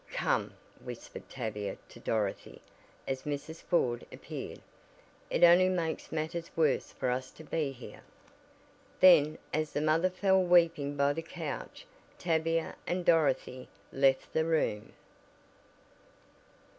"Come!" whispered Tavia to Dorothy as Mrs. Ford appeared. "It only makes matters worse for us to be here." Then as the mother fell weeping by the couch Tavia and Dorothy left the room.